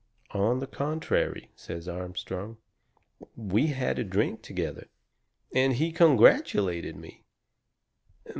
"On the contrary," says Armstrong, "we had a drink together. And he congratulated me.